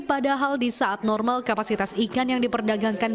padahal di saat normal kapasitas ikan yang diperdagangkan